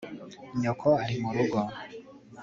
nyoko ari murugo